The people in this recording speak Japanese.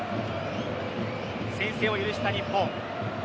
先制を許した日本。